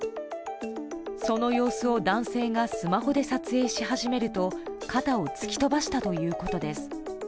その様子を男性がスマホで撮影し始めると肩を突き飛ばしたということです。